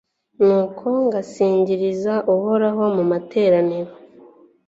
nuko ngasingiriza uhoraho mu materaniro